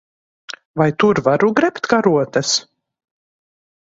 Vai tur varu grebt karotes?